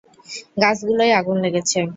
গাছগুলোয় আগুন লেগেছে।